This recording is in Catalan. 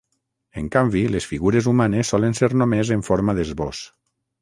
En canvi les figures humanes solen ser només en forma d'esbós.